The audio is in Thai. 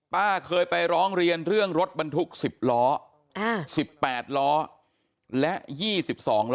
เคยไปร้องเรียนเรื่องรถบรรทุก๑๐ล้อ๑๘ล้อและ๒๒ล้อ